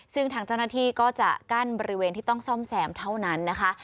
ซึ่งทางเจ้าหน้าที่ก็จะกั้นบริเวณที่ต้องซ่อมแซมเท่านั้นนะคะ